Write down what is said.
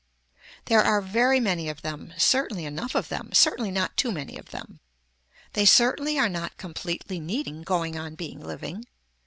There are very many of them, certainly enough of them, certainly not too many of them. They certainly are not completely needing going on being living.